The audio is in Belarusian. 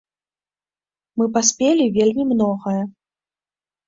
Мы паспелі вельмі многае.